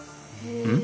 うん？